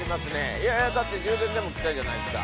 いやいやだって「充電」でも来たじゃないですか。